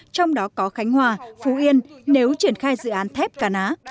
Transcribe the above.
trong đó có khánh hòa phú yên nếu triển khai dự án thép ca ná